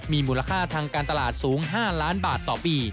มีมูลค่าทางการตลาดสูง๕ล้านบาทต่อปี